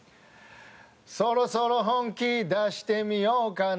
「そろそろ本気だしてみようかな」